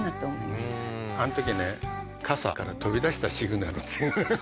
あの時ね「傘から飛び出したシグナル」ってアハハハ。